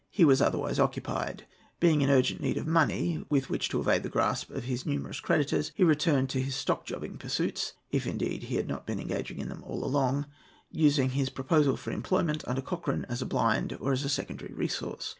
He was otherwise occupied. Being in urgent need of money, with which to evade the grasp of his numerous creditors, he returned to his stock jobbing pursuits—if indeed he had not been engaging in them all along; using his proposal for employment under Lord Cochrane as a blind or as a secondary resource.